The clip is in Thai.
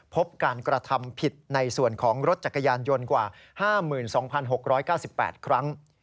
พบการกระทำผิดในส่วนของรถจักรยานยนต์กว่า๕๒๖๙๘ครั้ง